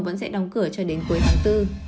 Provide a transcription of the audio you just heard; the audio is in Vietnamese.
vẫn sẽ đóng cửa cho đến cuối tháng bốn